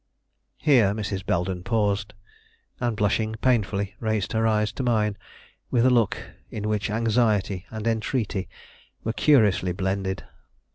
Here Mrs. Belden paused, and, blushing painfully, raised her eyes to mine with a look in which anxiety and entreaty were curiously blended.